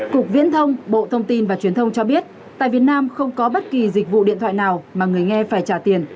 cục viễn thông bộ thông tin và truyền thông cho biết tại việt nam không có bất kỳ dịch vụ điện thoại nào mà người nghe phải trả tiền